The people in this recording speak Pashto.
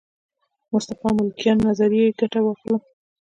مصطفی ملکیان نظریې ګټه واخلم.